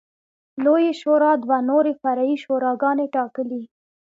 لویې شورا دوه نورې فرعي شوراګانې ټاکلې.